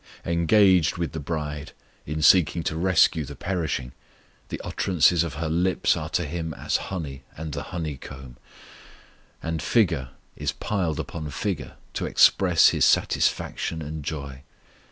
Engaged with the Bridegroom in seeking to rescue the perishing, the utterances of her lips are to Him as honey and the honeycomb; and figure is piled upon figure to express His satisfaction and joy.